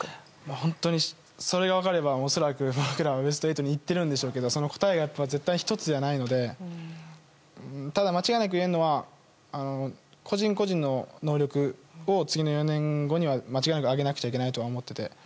本当に、それが分かれば僕らはベスト８に行っているんでしょうけどその答えが絶対１つじゃないのでただ、間違いなく言えるのは個人個人の能力を次の４年後に間違いなく上げなくちゃいけないと思っていて。